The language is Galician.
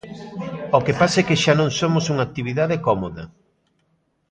O que pasa é que xa non somos unha actividade cómoda.